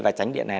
và tránh điện này